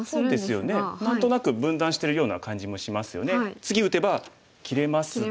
次打てば切れますが。